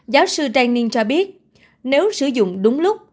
giáo sư denning cho biết nếu sử dụng đúng lúc